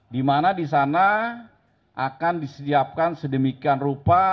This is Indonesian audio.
dimana disana akan disediapkan sedemikian rupa